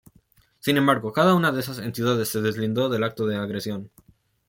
Sin embargo, cada una de esas entidades se deslindó del acto de agresión.